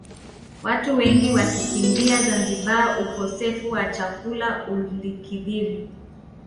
Watu wengi wakaikimbia Zanzibar ukosefu wa chakula ulikithiri